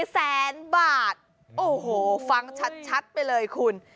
แสนบาทโอ้โหฟังชัดไปเลยคุณ